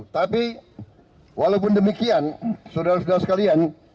tapi walaupun demikian saudara saudara sekalian